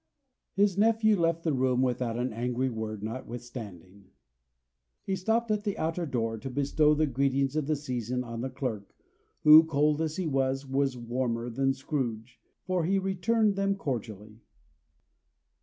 His nephew left the room without an angry word, notwithstanding. He stopped at the outer door to bestow the greetings of the season on the clerk, who, cold as he was, was warmer than Scrooge; for he returned them cordially.